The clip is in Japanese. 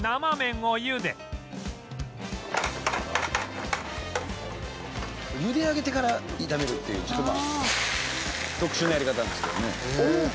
「茹で上げてから炒めるっていうちょっとまあ特殊なやり方なんですけどね」